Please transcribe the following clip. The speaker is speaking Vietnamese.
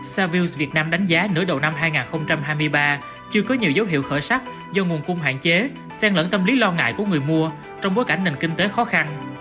savills việt nam đánh giá nửa đầu năm hai nghìn hai mươi ba chưa có nhiều dấu hiệu khởi sắc do nguồn cung hạn chế sen lẫn tâm lý lo ngại của người mua trong bối cảnh nền kinh tế khó khăn